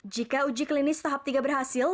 jika uji klinis tahap tiga berhasil